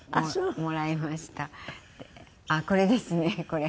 あっこれですねこれ。